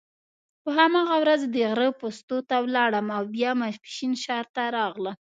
په هماغه ورځ د غره پوستو ته ولاړم او بیا ماپښین ښار ته راغلم.